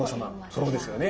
そうですよね。